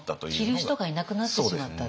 着る人がいなくなってしまったっていう。